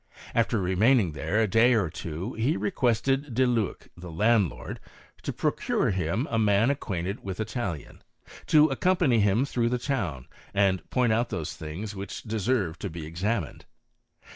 After remaining there a day or two, he re quested De Luc, the landlord, to procure him a man acquainted with Italian, to accompany him through the town and point out those things which deserved t< be examined.